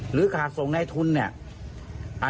ขาดส่งในทุนเนี่ย